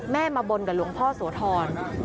แม่มาบนกับหลวงพ่อสวทร